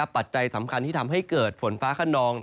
ปัจจัยสำคัญที่ทำให้เกิดฝนฟ้าขนอง